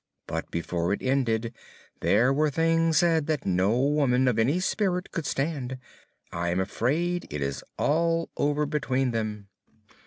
But before it ended there were things said that no woman of any spirit could stand. I am afraid it is all over between them."